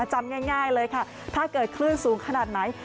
จำง่ายเลยค่ะถ้าเกิดคลื่นสูงขนาดไหน